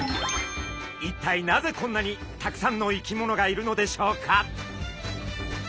一体なぜこんなにたくさんの生き物がいるのでしょうか？